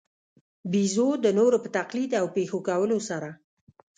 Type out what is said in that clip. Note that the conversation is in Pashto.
بېزو د نورو په تقلید او پېښو کولو سره.